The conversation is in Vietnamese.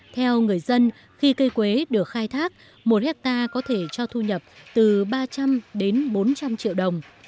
theo người dân khi cây quế được khai thác một hectare có thể cho thu nhập từ ba trăm linh đến bốn trăm linh triệu đồng